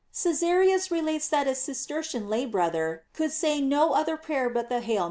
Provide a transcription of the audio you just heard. — Cesarius relates that a Cistercian lay brother could say no other prayer but the" Hail * Cesar.